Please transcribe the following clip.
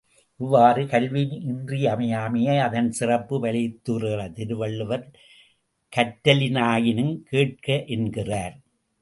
இவ்வாறு, கல்வியின் இன்றியமையாமையை அதன் சிறப்பை வலியுறுத்துகிற திருவள்ளுவர், கற்றிலனாயினும் கேட்க என்கிறார்.